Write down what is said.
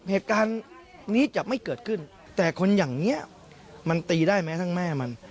เหตุการณ์นี้จะไม่เกิดขึ้นแต่คนอย่างนี้มันตีได้ไหมทั้งแม่มัน